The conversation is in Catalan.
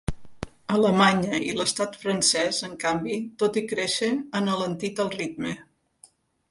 Alemanya i l’estat francès, en canvi, tot i créixer, han alentit el ritme.